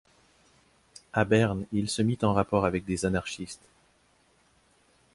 A Berne, il se mit en rapport avec des anarchistes.